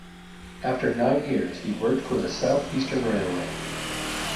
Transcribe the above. After nine years, he worked for the South Eastern Railway.